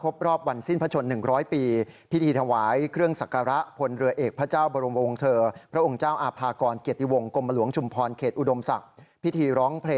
ครบรอบวันสิ้นพระชน๑๐๐ปี